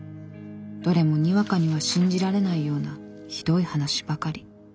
どれもにわかには信じられないようなひどい話ばかり。